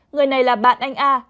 người này là bạn anh a